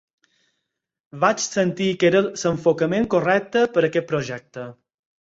Vaig sentir que era l'enfocament correcte per aquest projecte.